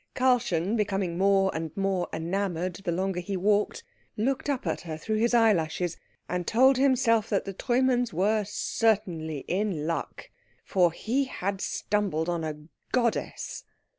Karlchen, becoming more and more enamoured the longer he walked, looked up at her through his eyelashes and told himself that the Treumanns were certainly in luck, for he had stumbled on a goddess.